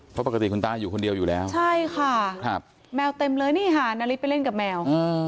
เพราะปกติคุณตาอยู่คนเดียวอยู่แล้วใช่ค่ะแมวเต็มเลยนี่ค่ะนาริสไปเล่นกับแมว